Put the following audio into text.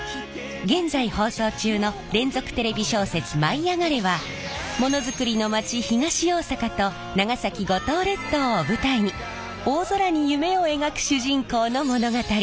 現在放送中の連続テレビ小説「舞いあがれ！」はものづくりの町東大阪と長崎五島列島を舞台に大空に夢を描く主人公の物語！